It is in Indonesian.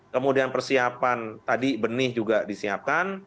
kemudian persiapan tadi benih juga disiapkan